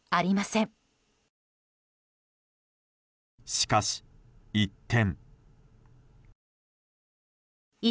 しかし、一転。